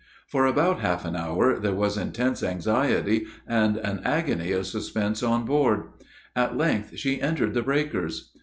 For about half an hour, there was intense anxiety, and an agony of suspense on board. At length she entered the breakers.